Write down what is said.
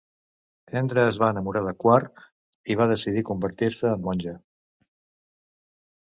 Hendra es va enamorar de Quarr y va decidir convertir-se en monja.